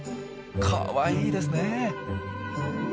かわいいですねえ！